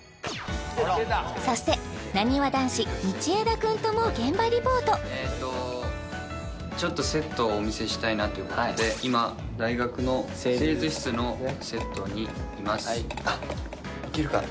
そしてなにわ男子道枝君とも現場リポートちょっとセットをお見せしたいなということで今大学の製図室のセットにいますあっいけるかな？